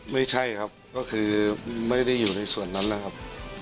ไม่ใช่ครับก็คือไม่ได้อยู่ในส่วนนั้นนะครับ